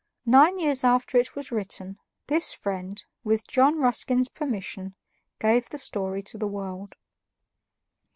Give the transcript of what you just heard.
Nine years after it was written, this friend, with John Ruskin's permission, gave the story to the world.